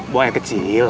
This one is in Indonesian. buang yang kecil